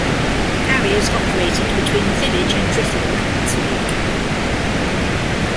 Carriers operated between the village and Driffield once a week.